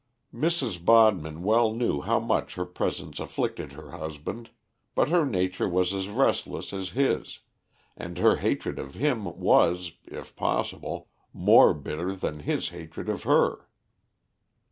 Mrs. Bodman well knew how much her presence afflicted her husband, but her nature was as relentless as his, and her hatred of him was, if possible, more bitter than his hatred of her.